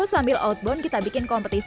sambil outbound kita bikin kompetisi